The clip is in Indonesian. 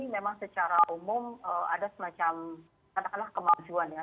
memang secara umum ada semacam katakanlah kemajuan ya